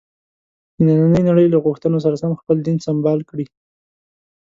د نننۍ نړۍ له غوښتنو سره سم خپل دین سمبال کړي.